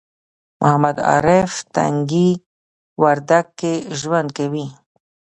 محمد عارف تنگي وردک کې ژوند کوي